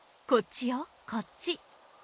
こっちよこっち。